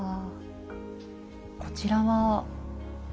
こちらは？